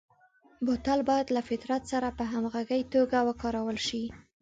بوتل باید له فطرت سره په همغږي توګه وکارول شي.